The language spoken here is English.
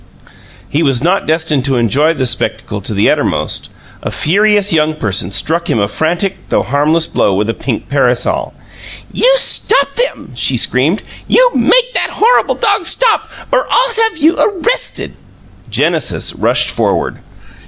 He was not destined to enjoy the spectacle to the uttermost; a furious young person struck him a frantic, though harmless, blow with a pink parasol. "You stop them!" she screamed. "You make that horrible dog stop, or I'll have you arrested!" Genesis rushed forward.